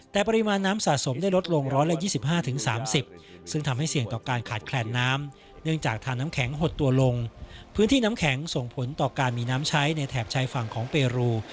ถูกตัวลงพื้นที่น้ำแข็งส่งผลต่อการมีน้ำใช้ในแถบชายฝั่งของเปรู